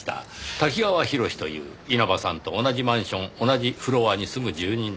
瀧川洋という稲葉さんと同じマンション同じフロアに住む住人です。